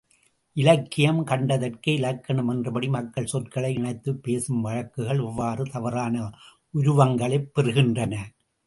இலக்கியம் கண்டதற்கு இலக்கணம் என்றபடி, மக்கள் சொற்களை இணைத்துப் பேசும் வழக்குகள், இவ்வாறு தவறான உருவங்களைப் பெறுகின்றன.